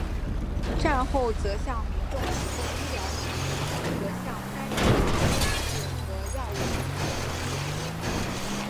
战后则向民众提供医疗服务和向灾民提供粮食和药物等物资。